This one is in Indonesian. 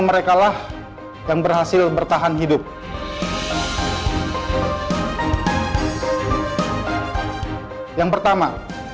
merekalah yang berhasil bertahan hidup yang pertama